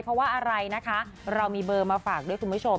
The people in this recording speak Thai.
เพราะว่าอะไรนะคะเรามีเบอร์มาฝากด้วยคุณผู้ชม